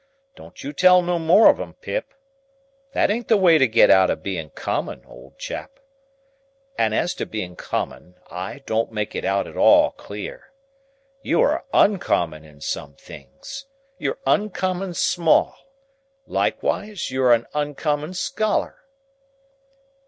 Don't you tell no more of 'em, Pip. That ain't the way to get out of being common, old chap. And as to being common, I don't make it out at all clear. You are oncommon in some things. You're oncommon small. Likewise you're a oncommon scholar."